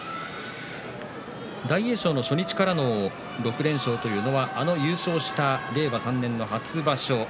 大栄翔初日からの６連勝というのは優勝した令和３年の初場所